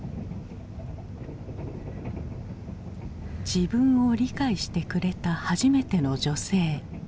自分を理解してくれた初めての女性。